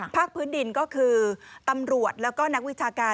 ภาคพื้นดินก็คือตำรวจแล้วก็นักวิชาการ